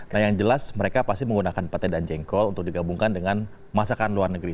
nah yang jelas mereka pasti menggunakan petai dan jengkol untuk digabungkan dengan masakan luar negeri